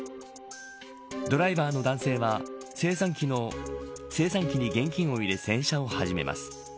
ドライバーの男性は精算機に現金を入れ洗車を始めます。